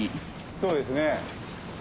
そうですね。